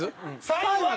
３位は。